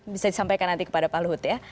bisa disampaikan nanti kepada pak luhut ya